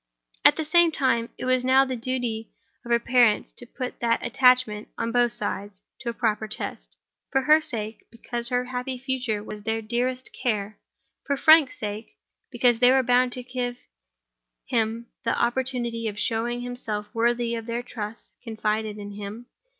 At the same time, it was now the duty of her parents to put that attachment, on both sides, to a proper test—for her sake, because her happy future was their dearest care; for Frank's sake, because they were bound to give him the opportunity of showing himself worthy of the trust confided in him.